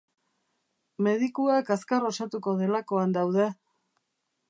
Medikuak azkar osatuko delakoan daude.